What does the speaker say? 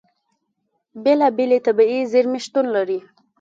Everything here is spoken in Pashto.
بېلابېلې طبیعي زیرمې شتون لري.